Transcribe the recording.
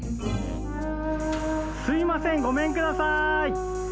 すいませんごめんくださーい！